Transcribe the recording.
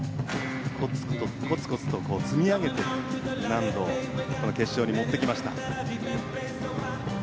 コツコツと難度を積み上げてきてこの決勝に持ってきました。